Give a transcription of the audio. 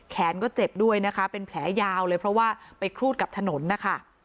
ก็เจ็บด้วยนะคะเป็นแผลยาวเลยเพราะว่าไปครูดกับถนนนะคะ